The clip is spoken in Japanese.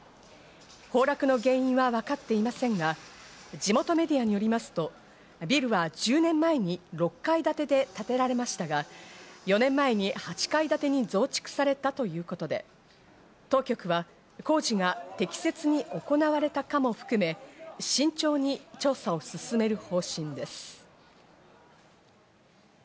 崩落の原因はわかっていませんが、地元メディアによりますと、ビルは１０年前に６階建てで建てられましたが４年前に８階建てに増築されたということで、当局は工事が適切に行われたかも含め慎重に調査を進める方針です。